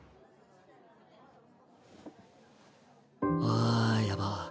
ああやばっ。